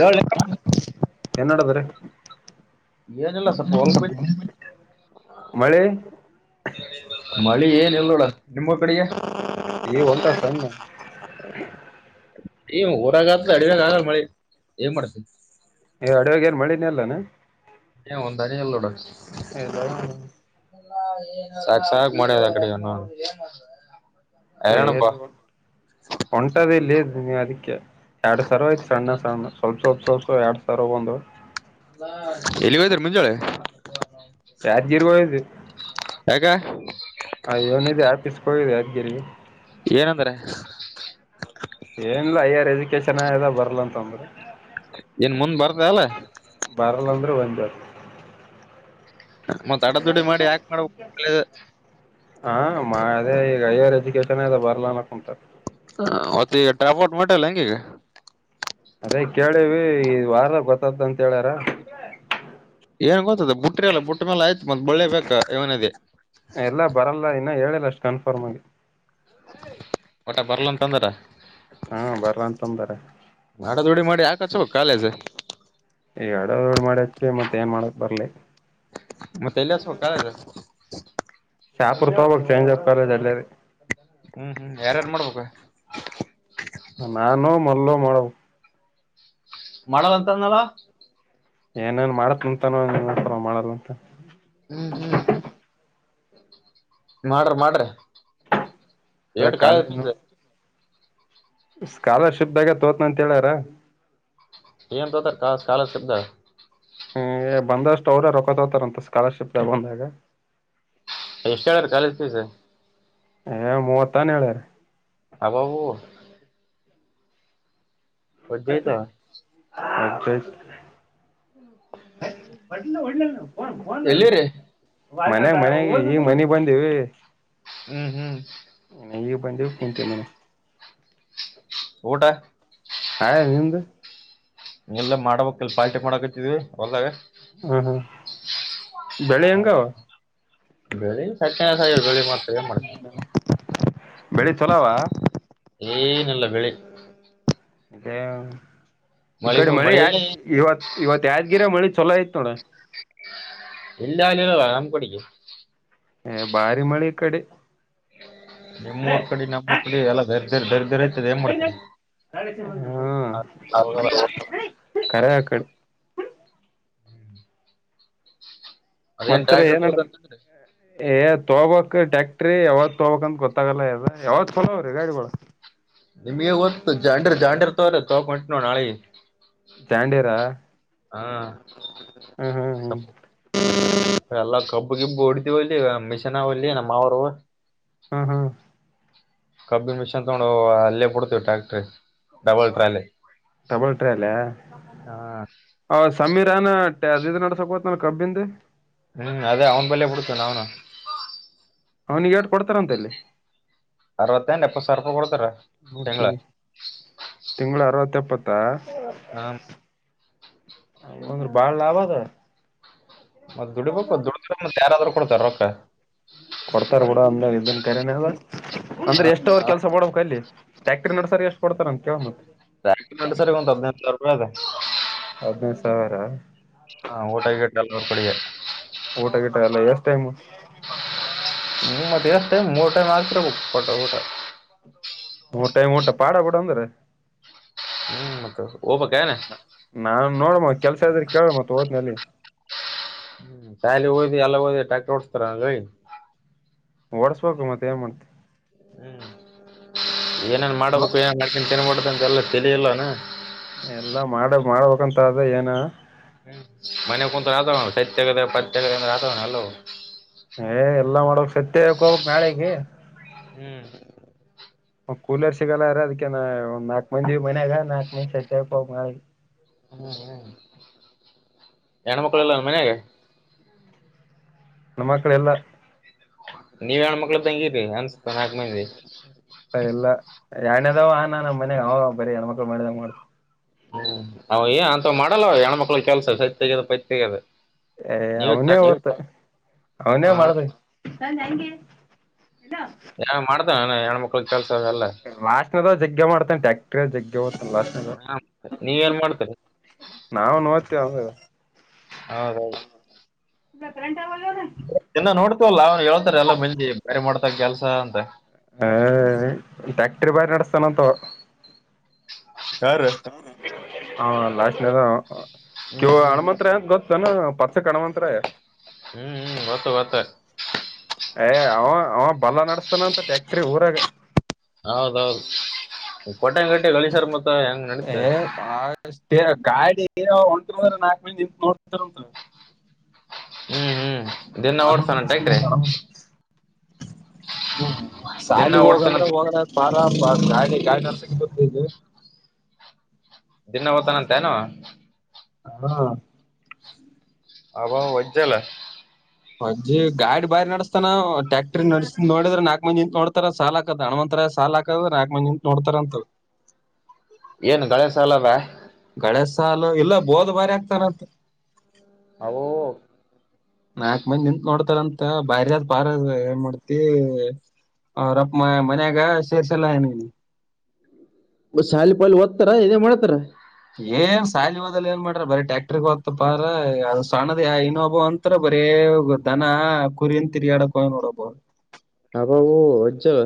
A ಎನಡ ಬ್ರ ಇನಲ್ಲ ಸ ಪಲ್ ಬ ಮಳಿ ಮಳಿ ಏನ್ ಇಲ್ಲೋಡ ನಿಮ್ಮ ಕಡೆಗೆ ಹೊಂಟಸ ಈ ಊರಾಗತ್ಲ ಅಡಿನಾಗ ಆಗಲ್ಲ ಮಳಿ ಏನ್ ಮಾಡ್ತ ಅಡವಗೆ ನ್ ಮಳಿನ ಅಲ್ಲಾನ ಒಂದಾನ ಎಲ್ಲೋಡ ಲ್ಲಾಣ ಸಾಕ ಸಾಕ್ ಮಾಡೆದ ಅ ಕಡೆ ಜನ ಹೊಂಟದ ಇಲ್ಲಿ ನೀವ್ ಅದಕ್ಕೆ ಎರಡ್ ಸಾವಿರ ಆಯ್ತ ಅಣ್ಣ ಸ್ವಲ್ಪ ಸ್ವಲ್ಪ ಸ್ವಲ್ಪ ಎರಡ್ ಸಾವಿರ ಬಂದು್ ಎಲ್ಲಿಗೆ ಹೋಯ್ತರಿ ಮುಂಜೋಳೆ ರಾಜಾರಗೀರಿಪಯದು ಯಾಕ ಹ ವನಿದೆ ಆಪೀಿಸಕಿದೆ ಅದ್ಗೇರಿಗೆ ಏನಂದ್ರ ಎಜುಕೇಶನ್ದ ಬರ್ಲ ಅಂತ ಅಂದ್ರೆ ಏನ್ ಮುಂದ್ ಬರ್ತ ಅಲ್ಲ ಇಂದರ್ ಮತ್ ಅಡ ದುಡ್ಡಿ ಮಾಡಿ ಯಾಕೆ ಮಾಡೋಗ ಹದೇ ಈಗ ಹೈಯರ್ ಎಜುಕೇಶನ್ ಅದ ಬರ್ಲ ಅ ಕುಂತ ಹ ಮತ್ತ ಈಗ ಡ್ರಾಪ್ ಔಟ್ ಮಾಡಲ್ಲ ಹೆಂಗ ಈಗ ಅದೇ ಕೇಳಿವ ಈ್ ವಾರದಾಗ ಗೊತ್ತ್ದ ಅಂತ ಹೇಳ್ಯಾರ ಏನ್ ಗೊತ್ತದ ಬುಟ್ರೆಲ್ಲ ಬುಟ್ಟ ಮೇಾಲ ಆಯ್ತು ಮತ್ತತ್ ಬಳ್ಳೆ ಬಾ ವನದೇ ಈಲ್ಲ ಬರಲ್ಲ ಇನ್ನ ಹೇಳಿಲ್ಲ ಅಷ್ಟು ಕನ್ಫರ್ಮ್ ಆಗಿ ಒಟ್ಟ ಬರ್ಲಂತಂದಾರ ಹಾ ಬರ್ಲ ಅಂತಂದಾರ ಹಚ್ಚಬೇಕ್ ಕಾಲೇಜ ಎರಡ ಕಡಿ ಡ್ ಮಾಡಿ ಅಚ್ಚಿ ಮತ್ತೆ ಏನ್ ಮಾಡಕ್ ಬರ್ಲಿ ಮತ್ತೆಲ್ಲಿ ಹಚ್ಚಬೇಕ್ ಕಾಲೇಜ್ ಶಾಪೂರ ತೋಗ್ಬೇಕ್ ಯಲ್ಲೆರೆ ಹ್ಮ್ ಹ್ಮ್ ಯಾರ್ಯಾರು ಮಾಡ್ಬೇಕು ನಾನು ಮಲ್ಲು ಮಾಡ್ಬೇಕ ಮಾಡಲ್ಲ ಅಂತ ಅಂದ್ನಲ್ಲ ಏನೇನ್ ಮಾಡತ್ಂತಾನರ ಮಾಡಲ್ಲ ಅಂತ ಹ್ಮ್ ಹ್ಮ್ ಮಾಡ್ರಿ ಮಾಡ್ರಿ ಎರಡ್ ಕಾಲೇಜ್ ಫೀಸ್ ಸ್ಕಾಲರ್ಶಿಪ್ದಾಗೆ ತೊತಿನ್ ಅಂತ ಹೇಳಾರ ಏನ್ ತೋತಾರ್ ಸ್ಕಾಲರ್ಶಿಪ್ದಾಗ್ ಹ್ಮ ಬಂದಷ್ಟು ಅವ್ರ ರೊಕ್ಕ ತೋತಾರಂತ ಸ್ಕಾಲರ್ಶಿಪ್ ಬಂದಾಗ ಎಷ್ಟು ಹೇಳಾರ ಕಾಲೇಜ್ ಪೀಸ್ ಏ ಮೂವತ್ತಾನ ಏಳಾರ ಹಾಬಾಬ್ ಐತವ [unintelligible] ಎಲ್ಲಿರಿ ಮನ್ಯಾಗ ಮನ್ಯಗೆ ಈಗ್ ಮನೆಗ್ ಬಂದ್ವಿ ಹ್ಮ್ ಹ್ಮ್ ಈಗ ಬಂದಿವಿ ಕುಂತಿ ಮನೆ ಊಟಾ ಆಗ್ಯದ ನಿಂದು ಇಲ್ಲ ಮಾಡಬೇಕ ಇಲ್ಲಿ ಪಾಲ್ಟಿ ಮಾಡಕತ್ತಿದವಿ ಹೊಲದಾಗ ಹ್ಮ ಹ್ಮ ಬೆಳೆ ಹೆಂಗಾವ ಬೆಳಿ ಸಕ್ಕತಾಗದ ಆಗ್ಯದ ಬೆಳಿ ತುಂಡು ಮಾಡ್ತಿ ಬೆಳಿ ಚೊಲಾವ ಏನಿಲ್ಲ ಬೆಳಿ ಏ ಈ ಕಡೆ ಮಳಿ ಇವತ್ತು ಇವತ್ ಯಾದ್ಗಿರಗೆ ಮಳಿ ಚೊಲೋ ಆಯಿತ್ ನೋಡ ಇಲ್ಲಿ ಆಗಿಲ್ಲಲ್ಲ ನಮ್ ಕಡಿಗೆ ಏ ಭಾರಿ ಮಳಿ ಈ ಕಡೆ ನಿಮ್ಮ್ ಊರ್ ಕಡೆ ನಮ್ಮೂಊರ್ ಕಡೆ ಎಲ್ಲ ದರಿದ್ರ ದರಿದ್ರ ಹತ್ಯಾದ್ ಏನ್ ಮಾಡ್ತಿ ಹ್ಮ ಕರೆ ಆಕಡೆ [unintelligible] ಅದೇನ್ ಮತ್ತ ಟ್ರ್ಯಾಕ್ಟರ್ ಏನ್ ನಡದಾದ ತಗೋದಂತಂದ್ರೆ ಏನ್ ತೋಬಬೇಕ್ ಟ್ಯಾಕ್ಟ್ರಿ ಯಾವಾಗ ತೋಬಬೇಕಂತ ಗೊತ್ತಾಗಲ್ಲ ಯಾವದ ಚೊಲೋ ಆವ್ರೀ ಗಾಡಿಗಳು ನಿಮ್ಗೆ ಗೋತ್ತು ಜಾಂಡ್ರ ಜಾಂಡರ್ ತೊರಿ ತಗೋ ಅಂತ ನೊಡ್ ನಾಳೆ ತಾಂಡಿರಾ ಹಾ ಹ್ಮ್ [unintelligible] ಎಲ್ಲಾ ಕಬ್ಬು ಗಿಬ್ಬು ಹೊಡತಿವಲ್ಲಿ ಮಿಷನ್ ಒಲ್ಲಿ ನಮ್ಮವರು ಹ್ಮ ಹ್ಮ ಕಬ್ಬಿ ಮಿಷನ್ ತಗೊಂಡು ಅಲ್ಲೇ ಬಿಡ್ತೇವಿ ಟ್ರ್ಯಾಕ್ಟ್ರಿ ಡಬಲ್ ಟ್ರಾಲಿ ಡಬಲ್ ಟ್ರಾಲೀ ಹ್ಮ್ ಅವ ಸಮೀರಾನ ಅವ ಇದು ನಡಸಕುಂತನ್ ಕಬ್ಬಿಂದೆ ಹ್ಮ್ ಅದೇ ಅವ್ನ್ ಬಲ್ಲೆ ಬಿಡ್ತೇವಿ ನಾವುನೂ ಅವನಿಗೆ ಏಟ್ ಕೊಡ್ತಾರ ಅಂತಲ್ಲಿ ಅರವತ್ತೆಟ್ ಎಪ್ಪತ್ತು ಸಾವಿರ ರೂಪಾಯಿ ಕೊಡ್ತಾರ ತಿಂಗಳ ನೋಡ್ತೀನಿ ಪ್ಪತ್ತ ಹ ದ್ರ ಬಾಳ ಲಾಭ ಅದ ಮತ್ತ ದುಡಿಬೇಕು ದುಡಿದ ತ ಯಾರಾದ್ರರು ಕೊಡ್ತಾರ ರೊಕ್ಕ ಕೊಡ್ತಾರ ಬಿಡ ಅಂದ ಇದನ್ ಕರೆನ ಹ ಅಂದ್ರೆ ಎಷ್ಟ ಅವರ್ ಕೆಲ್ಸ ಡಬೇಕಕ್ ಅಲ್ಲಿ ಟ್ಯಾಕ್ಟರಿ ನಡ್ಸರ್ ಎಷ್ಟು ಕೊಡ್ತಾರ ಅಂತ ಕೇಳ ಮತ್ತ್ ಬಾಕ ಸರಿ ಒಂದು ಹದಿನೈಂ ಸಾವಿರ ರೂಪಾಯಿ ಅದ ಸರ ಹಾ ಊಟಗ ಗಿಟ್ಟ ಎಲ್ಲ ಅವ್ ಕೊಡಗೆ ಊಟ ಗಿಟ ಎಲ್ಲ ಎಷ್ಟ ಟೈಮು ಮ ಮತ್ತ ಎಸ್ ಟೈಮ ಮೂರ್ ಟೈಮ್ ಆಗಿರ್ಬೇಕು ಊಟ ಮೂರ್ ಟೈಮ್ ಊಟ ಪಾಡ ಬುಡ ಅಂದ್ರ. ಹ್ಮ್ ಮತ್ತ. ನಾನ್ ನೋಡ್ಮ ಕೆಲ್ಸ ಇದ್ರೆ ಕೇಳ ಮತ್ ಹೋತ್ನಲಿ. ಶಾಲಿ ಓದಿ ಎಲ್ಲ ಹೋಗಿ ಟಾಕ್ಟರ್ ಓಡ್ಸ್ತಾರ ಹೋಗಿ. ಓಡ್ಸ್ಬೇಕು ಮತ್ತೆ ಏನ್ ಮಾಡ್ತಿ. ಹ್ಮ್ ಏನೇನ್ ನೋ ಮಾಡಬೇಕು ಏನ್ ಮಾಡಕೇಂಡ್ ಅಂತ ಇವೆಲ್ಲ ತೇಲಿ ಇಲ್ಲನ. ಎಲ್ಲಾ ಮಾಡ ಮಾಡ್ಬೇಕಂತ ಆದ್ ಏನ. [unintelligible] ಎ ಎಲ್ಲ ಮಾಡ್ಬೇಕ್ ಸತ್ದ್ ತೆಗೆಕ್ಕ ಹೋಗ್ಬೇಕ್ ನಾಳೇ. ಹ್ಮ್. ಕೂಲರ್ ಸಿಗಲ್ಗ್ಯಾಂರ್ ಅದಕಂದ್ ನಾಲ್ಕ್ ಮಂದಿ ಮನ್ಯಾಗ ನಾಕ್ ಮಂದಿ ಸತ್ದ್ ತೆಗೆಕ್ ಹೋಗ್ಬೇಕು. ಹ್ಮ್ ಹ್ಮ್ ಹೆಣ್ಮಕ್ಕಳು ಇಲ್ಲ ಮನ್ಯಾಗ. ನಮ್ಮ ಮಕ್ಕಳ ಇಲ್ಲ. ನೀವ್ ಹೆಣ್ಣಮಕ್ಳು ಇದ್ದಗ್ ಇರಿ ಅನ್ಸ್ತ ನಾಲ್ಕ ಮಂದಿ. ಇಲ್ಲ ಎಡನೆದ್ವ ಅನಾ ನಮ್ಮ ಮನೆಗ ಅವ ಬರೇ ಹೆಣ್ಮಕ್ಳು ಮಾಡಿದಂಗ್ ಮಾಡ್ತಾನಾ. ಹ್ಮ್ ಅವ ಏ ಅಂತ ಮಾಡಲ್ಲವ ಹೆಣ್ಮಕ್ಳಗ ಕೆಲ್ಸ ಸತ್ದ್ ತೇಗ್ಯದ ಪೈತ್ ತೇಗ್ಯದ. ಏ ಅವನೇ ಓಡ್ತ ಅವನೇ ಹ ಮಾಡತ [unintelligible] ಯಾವನನಾ ಮಾಡ್ತನಾ ಅನ್ ಹೆಣ್ಮಕ್ಳಗ ಕೆಲ್ಸ ಎಲ್ಲ. ಲಾಸ್ಟ್ನದ ಜಗ್ಗೆ ಮಾಡ್ತೇ ಟಕ್ಟ್ರ ಜಗ್ಗ ನೀವೇನ್ ಮಾಡ್ತೀರಿ ನಾವೂನು ಹೋತೀವಿ ಅಂದ್ರ. ಹೌದೌದು. ದಿನ ನೋಡ್ತವಲ್ಲ ನಾವ್ನು ಹೇಳ್ತಾರ ಎಲ್ಲ ಮಂದಿ ಬಾರಿ ಮಾಡ್ತಾನ್ ಕೆಲ್ಸ. [unintelligible] ಅಂತ [unintelligible] ಬಾರಿ ನಡಸ್ಥಾನ ಅಂತ ಅವ್. ಯಾರ್. ಹಾ ಹ್ಮ್ ಲಾಸ್ಟ್ನದವಾ ಹ್ಮ್ ಹಣಮಂತ್ರಯ ಅಂತ ಗೊದತ್ತಾನ ಪಂಚಕ ಹಣಮಂತ್ರಯ. ಹ್ಮ್ ಹ್ಮ್ ಗೊತ್ತು ಗೊತ್ತು. ಯ ಅವ ಅವ ಬಲ್ಲ ನಡಸ್ತಾನ ಅಂತ ಟ್ಯಾಕ್ಟ್ರಿ ಊರಾಗ. ಹೌದೌದು ಕಟೆಂಗಟ್ಟೆ ಗಳೇಶ್ರ್ ಮತ್ತ ಹೆಂಗ ನಡಿತ. ಏ ಅಷ್ಟೇ ಗಾಡಿ ಹೊಂಟರ್ಂದ್ರ ನಾಕ ಮಂದಿ ನಿಂತ್ ನೋಡ್ತರಂತ. ಹ್ಮ್ ಹ್ಮ್ ದಿನ್ನ ಓಡ್ಸನಏನ್ ಟ್ರಾಕ್ಟಾರಿ. ಹ್ಮ ದಿನ ಸಾಲಿಗ್ ಓಡ್ತಾನ ಹೋಗಂದ್ರೆ ಹ ಬಾ [unintelligible] ದಿನ ಓ್ತನಂತ ಏನ ಅವ್. ಹಾ, ಹಬಬ ವಜೈಲ್ಲ. ವಜ್ಜಿ ಗಾಡಿ ಬಾರಿ ನಡಸ್ತಾನ ಅವ್ ಟ್ಯಾಕ್ಟ್ರ ನಡ್ಸ ನೋಡಿದ್ರ ನಾಕ್ ಮಂದಿ ನಿಂತ ನೋಡ್ತಾರ ಸಾಲ ಹಾಕದ ಹಣ್ಮಂತ. ಸಾಲ ಹಾಕದ ನಾಕ್ ಮಂದಿ ನಿಂತ್ ನೋಡ್ತಾರ ಅಂತ. ಏನ ಗಳೇಸಾಲ್ದ. ಗಳೇಶ ಸಾಲು ಇಲ್ಲ ಬೋದ ಬಾರಿ ಆಗ್ತಾರಂತ. ಹೌ, ನಾಕ ಮಂದಿ ನಿಂತ ನೋಡ್ತಾರಂತ ಬಾರಿ ಆದ ಪಾರ ಅದ ಏನ್ ಮಾಡ್ತಿ. ಹ ರಪ್ಪ ಮನ್ಯಾಗ ಸೇರ್ಸಲ್ಲ ಏನ. ಒ ಶಾಲಿ ಪಾಲಿ ಓದತಾರ ಇದೇ ಮಾಡ್ತಾರ. ಏನ ಸಾಲಿ ಒದ್ಲಾ ಏನ ಮಾಡ್ರ ಬರೀ ಟ್ಯಾಕ್ಟ್ರ ಹೊತ್ದ್ ಪಾರ್ ಅದು ಸಣದ ಇನ್ನೊಬ್ಬ ಅಂತರ ಬರೇ, ದನ ಕುರಿಇಂದ್ ತಿರಿಗಾಡಕ ಹೋಗ್ಯಾನ್ ನೋಡ್ ಒಬ್ಬವ್. ಹಬ್ಬಬ ವಜ್ಜಿ ಆದ್.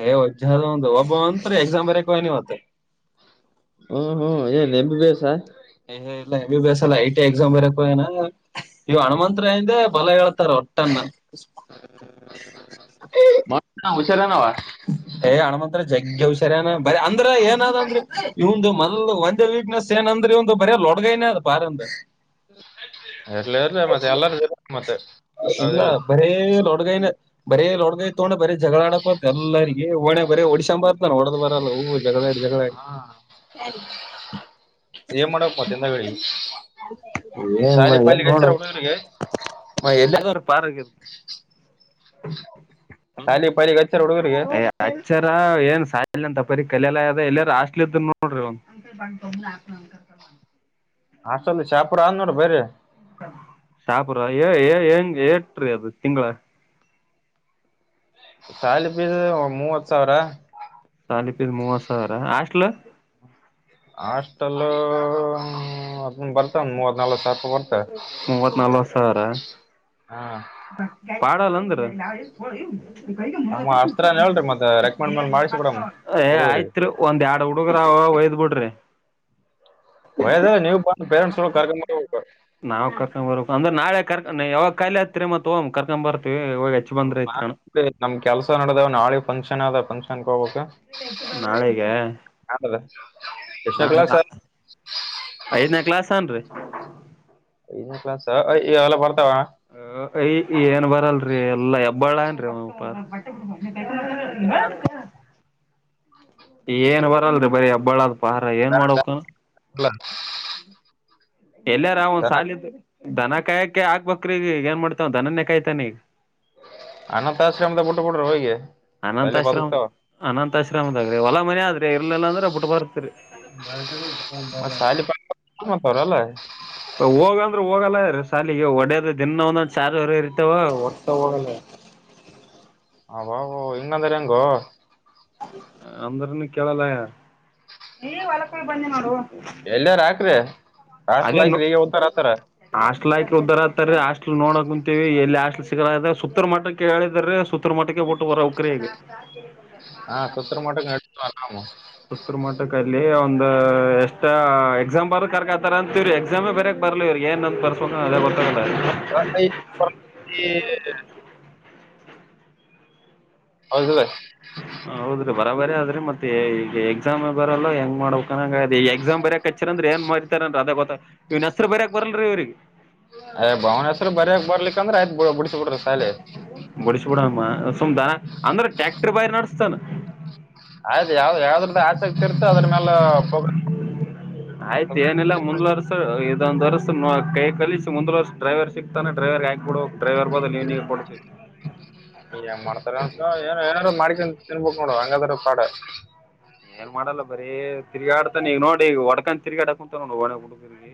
ಹೇ ವಜ್ಜಿ ಆದ್ ಅವನ್ದ ಒಬ್ಬವ್ ಅಂತ್ರ ಎಕ್ಸಾಮ್ ಎಸಾಮ ಬರೆಕ ಹೋಗ್ಯಾನ್ ಇವತ್ತ. ಹ್ಮ್ ಹ್ಮ ಏನ್ ಎಮ್ ಬಿ ಬಿಎಸ್. ಇಲ್ಲ ಎ ಬಿ ಬಿ ಎಸ್ ಎಲ್ಲ ಐ ಟಿ ಎಕ್ಸಾಮ್ ಬರಕು ಏನ ಇವ ಹಣಮಂಂತರಂದೆ ಬಲ ಹೇಳ್ತಾರ ಒಟ್ಟನ್ನ ಮ ಹಷರನವಾ ಹ್ಮ ಏ ಹಣಮಂತ್ರ ಜಗ್ಗ ಹುಷರನ ಬ ಅಂದ್ರೆ ಏನಾದಂದ್ರ ಇಂದು ಮ ಒಂದೇ ವೀಕ್ನೆಸ್ ಏನಂದ್ರ ಅಂದ್ರೆ ಒಂದು ಬರ ಲೊಡ್ಗೈನ ಅದು ಬಾರ ಅಂದ ಇರ್ಲಿ ಇರ್ಲಿಮತ್ತೆ ಎಲ್ಲಾರ ಮತ್ತೆ ಇಲ್ಲ ಹೌದಿಲ್ಲ ಬರೇ ರೋಡ್ಗೈನ ಬರೇ ರೋಡ್ಗೈ ತಗೊಂಡ ಬರೀ ಜಗಳಾಡಕ್ ಎಲ್ಲಗ ಒಣ ಬರ ಹೊಡಶಂಬಾರತಾನ ಹೊಡದ್ ಬರಲ್ಲ ಹ ಜಗಳಾ ಜಗಳ ಏನ್ ಮಾಡಕ್ ಮತ್ತೆ ಹಿಂದಗಡಿ ಏನ್ ಶಾಲಿ ಎನ್ ಪಾಲಿಗೆ ನೋಡ ಹಚ್ಚಾರ ಹುಡುಗರಿಗೆ ಹ್ಮ ಎಲ್ಲಾದರು ಪಾರಗ ಸಾಲಿ ಪಾಲಿ ಅಚರ ಏನ್ ತಪರಿ ಕಲೆಲ ಅದ ಎಲ್ಲಾರೂ ಹಾಸ್ಟೆಲ ನೋಡ್ರಿ ಒ ಅಷ್ಟಲ್ ಶಾಪುರ ಅದ ನೋಡ ಬ್ರ ಸಾಪರ ಏ ಹೆಂಗ ಟ್ರಿ ಅದು ತಿಂಗಳ ಶಾಲಿ ಪಿಸ ಮೂವತ ಸಾವಿರ ಶಾಲಿ ಪೀಸ್ ಮೂವತ್ತು ಸಾವಿರ ಹಾಸ್ಟೆಲ್ ಹಾಸ್ಟಲ್ ಹ ಬರ್ತ ಒಂದ ಮೂವತ ನಲ್ವತ್ ಸಾವಿ ಬರ್ತ ಮೂವತ್ ನಲ್ವತ್ ಸಾವಿರ ಹಾ ಪಾಡಲ್ಲ ಅಂದರ ನಮ್ಮ ಅಸ್ತ್ರನ ಹೇಳ್ರಿ ಮತ್ತ ರೆಕಮೆಂಡ್ ಮೇಲೆ ಮಾಡಿಸಿ ಬಿಡಮ್ ಏ ಹುಡುಗ್ರಿ ಆಯ್ತ್ರಿ ಒಂದ ಎರಡ ಹುಡುಗ್ರಾವ ಒಯ್ದ್ ಬಿಡ್ರಿ ಒದ ನೀವು ಪೇರೆಂಟ್ಸ್ ಗಳು ಕರ್ಕೊಂಡ್ ಬರ್ಬೇಕು ನಾವ ಕರ್ಕೊಂಡ್ ಬರಬೇಕು ಅಂದ್ರೆ ನಾ ರ್ ಯಾವಾಗ ಕಾಯಿ ಹತ್ತರಿ ಮತ ಹೋಗಾಮಕರ್ಕ್ ಬರ್ತೀವಿ ಇವಾಗ ಹೆಚ್ಚ ಬಂದ್ರ ಸ್ವಲ್ಪ ಐತ್ರಣ ನಮ ಕೆಲ್ಸ ನಡದವ ನಾಳೆ ಫಂಕ್ಷನ್ ಅದ ಫಂಕ್ಷನ್ ಹೊ ಬೇಕು ನಾಳೆಗೆ ಎಷ್ಟನೇ ಕ್ಲಾಸ್ ನಾಡದ ಐದನೇ ಕ್ಲಾಸ್ ಹಾನ್ರಿ ಲ್ಲ ಬರ್ತ ಅ ಆ ಇ ಏನ್ ಬರಲ್ರಿ ಎಲ್ಲಾ ಹೆಬ್ಬಾಳ ಏನ್ರಿ ಒಪ ಎನ್ ಓದೋಡ್ರಿ ಬರಿ ಬರೀ ಹಬ್ಬಳದ [unintelligible] ಪಾರ ಏನ ಮಾಡವಕ್ಕ ಲಂದ ಎಲ್ಲಾರ ಅವ ಒಂದು ಸಾಲಿದ ದನ ಕಾಯಕೆ ಆಗ್ಬೇಕ್ರೀಗ ಏನ್ ಮಾಡ್ತಾವ್ ದನನೇ ಕಾಯ್ತಾನಿಗ ಅನಾಥ ಆಶ್ರಮದ ಬಟ್ಟ ಬುಡ್ರಿ ಹೋಗಿ ಅಲ್ಲಿ ಅನಂತಾಶ್ರಮ ಬದುಕ್ತಾವ ಅನಂತಾಶ್ರಮದಾಗ್ರಿ ಹೊಲ ಮನ ಆದ್ರಿ ಇರ್ಲಿಲ್ಲ ಅಂದ್ರೆ ಬಿಟ್ಟ ಬರ್ತರಿ ಮತ್ ಸಾಲಿ ಮತ್ತವ್ರಲ್ಲ ಹೋಗ ಹೋಗಲ್ಲೀ ಸಾಲಿಗೆ ಒಡದ ದಿನ ಒಂದೊಂದ್ ಚಾರ್ಜ್ರ ಇರ್ತವ ಒಟ್ಟ ಹೋಗಲ್ಲ ಹ [inaudible] ಹ ಬಾ ಹಂಗಂದಾರ ಹೆಂಗೋ ಅಂದ್ರನು ಕೇಳಲ್ಲಯ ಹೊ ಬನ್ನಿ ನೋಡು ಎಳ್ನೀರ್ ಹಾಕ್ರಿ ಹಾಸ್ಟೆಲ್ ಐಕ್ರು ಈಗೆ ಬಂದ್ ತಗತರ ಲ ಉದ್ದರ ಆತಾರೆ ಹಾಸ್ಟಲ್ ನೋಡ ಕುಂತೀವಿ ಎಲ್ಲಿ ಹಾಸ್ಟಲ್ ಸಿಗಲ ಸುತ್ತ ಮಟ್ಟಕ್ಕೆ ಹೇಳಿದಿದ್ದಾರೆ ಸುತ್ತ ಮಟ್ಟಕ್ಕೆ ಪಟ್ಟ ವರ ಉಕ್ರೇಗ ಹಾ ಸತ್ರ ಮಟ್ಟ ಎಡ್ತ ಆರಾಮ ಇಲ್ಲಿ ಒಂದು ಎಷ್ಟ ಎಕ್ಸಾಮ್ ಬರ್ೋದು ಕರ್ಕ ಆತಾರೆ ಅಂತೀ್ರಿ ಎಕ್ಸಾಮೇ ಬೇರೆಕ್ ಬರ್ಲಿ ಇ್ರಿಗೆ ಏನ್ಂತ ಬರ್ಸ್ಬೇಕೋ ಅದೇ ಬರ್ತ ಮ ಐ [unintelligible] ಹೌದ ಹ ಹೌದ್ರಿ ಬರ ಬರ ಅ ಆದ್ರೆ ಮತ್ತೆ ಈಗ ಎಕ್ಸಾಮ್ ಬರಲ್ಲ ಹೆಂಗ ಮಾಡ್ಬೇಕ ಈ ಎಕ್ಸಾಮ್ ಬರ ಕಚ್ಚರ್ ಅಂದ್ರ ಏನ್ ಮಾಡತಾರ ಅಂತ ಅದ ಗೊತ್ತಾ ಹೆಸರು ಬರಕ್ ಬರಲ್ಲಲ್ರಿ ಇವ್ರಿಗ ಅ ಭಾವನೇಶ್ವರ ಬರ್ಯಾಕ ಬರ್ಲಿಕ ಅಂದ್ರ ಬಿಡ್ಸಿ ಬಿಡುದ ಶಾಲಿ ಸುಮ್ದಾನ ಅಂದ್ರ ಟ್ಯಾಕ್ಟ್ರ ಬಾರಿ ನಡಸ್ತಾನ. ಅದ ಯಾವ್ದ ಯಾವ್ದ ಆಸಕ್ತಿ ಇರ್ತ ಅದ್ರ ಮ್ಯಾಲ ಆಯ್ತ ಏನಿಲ್ಲ ಮುಂದಲರ್ಸ ಇದ ಒಂದ ವರ್ಷ ಕೈ ಕಲಸಿ ಮುಂದ ವರ್ಷ ಡ್ರೈವರ್ ಸಿಕ್ತಾನ ಡ್ರೈವರ್ಗೆ ಹಾಕಿಬಿಡ ಡ್ರೈವರ್ ಬದಲ ನೀನೂ ಇರಬಾಡದ ಇಲ್ಲಿ ಏನ್ ಮಾಡ್ತಾರ ಅಂತ ಏನೋ [unintelligible] ಹಂಗಾದ್ರ ಪಾಡ ಏನ್ ಮಾಡಲ್ಲ ಬರಿ ತಿರ್ಗಾಡ್ತಾನ ಈಗ ನೋಡಿ ಹೋಡಕ ತಿರ್ಗಾಡ ಕುಂತ ನೋ ಒಣೆ ಗ ಹುಡುಗರಿಗಿ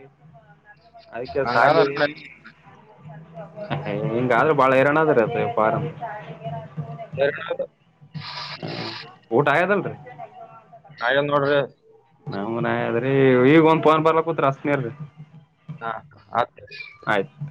ಅದಕ್ಕೆ ಹಂಗಾದ್ರ ಸಾಲಿ ಹಿಂಗಾದ್ರ ಬಾಳ ಹೈರಾಣದ ರೀ ಪಾ ನ [unintelligible] ಊಟ ಆಗ್ಯದಲ್ರಿ ಆಗಂಡ ನೋಡ್ರಿ ನಮನ ಅದ್ರೀ ಈಗ ಒಂದ್ ಫೋನ್ ಬರ್ಲ ಕೂತ್ ಅಸನರ್ರಿ. ಹಾ ಆತ ಆಯ್ತ.